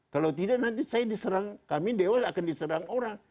kalau tidak nanti saya diserang kami dewas akan diserang orang